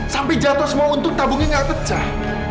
sampai jatuh semua untung tabungnya gak kecah